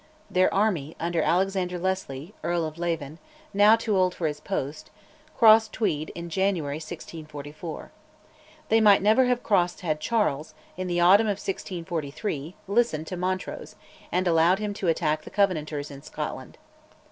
Their army, under Alexander Leslie (Earl of Leven), now too old for his post, crossed Tweed in January 1644. They might never have crossed had Charles, in the autumn of 1643, listened to Montrose and allowed him to attack the Covenanters in Scotland.